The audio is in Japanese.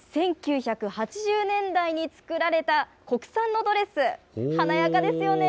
１９８０年代に作られた国産のドレス、華やかですよね。